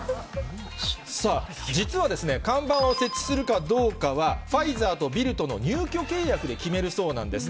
さあ、実はですね、看板を設置するかどうかは、ファイザーとビルとの入居契約で決めるそうなんです。